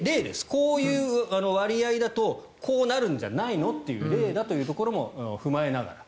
こういう割合だとこうなるんじゃないの？という例だということも踏まえながら。